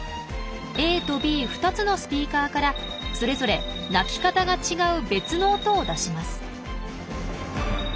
ＡとＢ２つのスピーカーからそれぞれ鳴き方が違う別の音を出します。